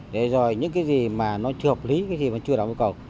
để rồi những cái gì mà nó chưa hợp lý cái gì mà chưa đảm bảo yêu cầu